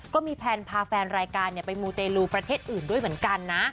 แพลนพาแฟนรายการไปมูเตลูประเทศอื่นด้วยเหมือนกันนะ